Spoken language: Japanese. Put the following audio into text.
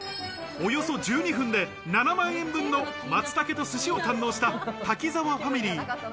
およそ１２分で７万円分の松茸と寿司を堪能した滝沢ファミリー。